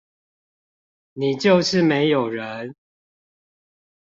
你就是沒有人